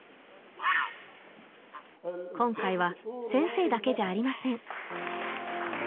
今回は先生だけじゃありません